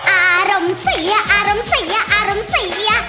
อารมณ์เสียอารมณ์เสียอารมณ์เสีย